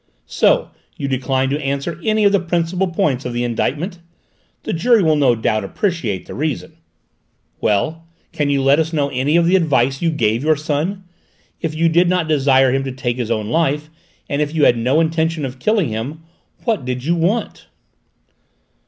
"So you decline to answer any of the principal points of the indictment? The jury will no doubt appreciate the reason. Well, can you let us know any of the advice you gave your son? If you did not desire him to take his own life, and if you had no intention of killing him, what did you want?"